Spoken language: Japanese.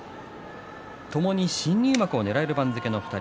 ともに新入幕をねらえる番付の２人。